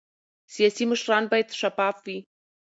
سیاسي مشران باید شفاف وي